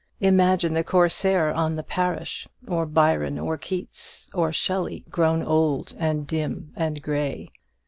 Imagine the Corsair on the parish; or Byron, or Keats, or Shelley grown old, and dim, and grey!